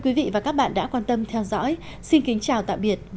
quý vị và các bạn đã quan tâm theo dõi xin kính chào tạm biệt và hẹn gặp